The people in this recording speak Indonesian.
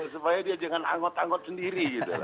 supaya dia jangan anggot anggot sendiri